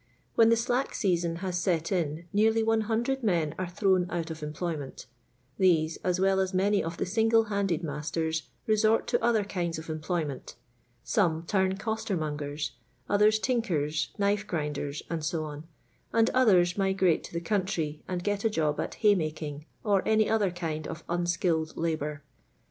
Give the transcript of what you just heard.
*' When the slack season has set in nearly 100 men ■re thrown out of employment These, as well as many of the single handed masters, resort to other kinds of employment Some turn costermongers, othen tinken, knifegrinden, &c, and others migrate to the country and get a job at hay nwcing, or any other kind of unskilled labour.